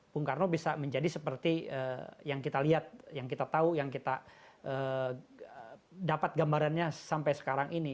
bung karno bisa menjadi seperti yang kita lihat yang kita tahu yang kita dapat gambarannya sampai sekarang ini